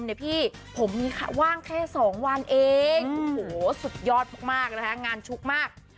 ผมเนี่ยพี่ผมมีค่ะว่างแค่สองวันเองโหสุดยอดมากมากนะคะงานชุกมาก